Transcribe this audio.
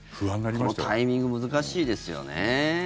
このタイミング難しいですよね。